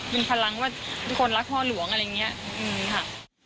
เป็นพลังว่าทุกคนรักพ่อหลวงอะไรอย่างนี้ค่ะ